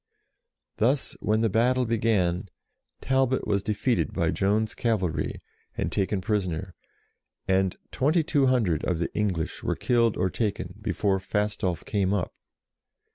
Thus, when the battle began, Talbot was defeated by Joan's cavalry, and taken prisoner, and 2200 of the English were killed or taken before Fastolf came up.